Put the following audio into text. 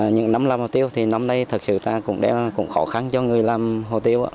những năm làm hồ tiêu thì năm nay thực sự cũng khó khăn cho người làm hồ tiêu